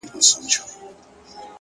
چي تا په گلابي سترگو پرهار پکي جوړ کړ؛